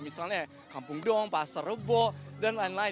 misalnya kampung dong pasar rebo dan lain lain